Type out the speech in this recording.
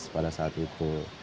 pada saat itu